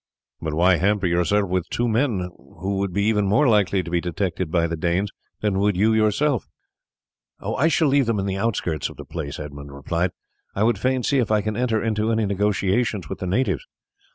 "But why hamper yourself with two men, who would be even more likely to be detected by the Danes than would you yourself?" "I shall leave them in the outskirts of the place," Edmund replied. "I would fain see if I can enter into any negotiations with the natives.